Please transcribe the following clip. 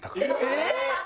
えっ！